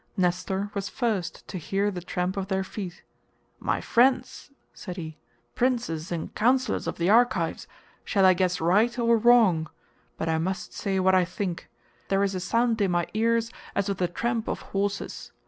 Nestor was first to hear the tramp of their feet. "My friends," said he, "princes and counsellors of the Argives, shall I guess right or wrong?—but I must say what I think: there is a sound in my ears as of the tramp of horses.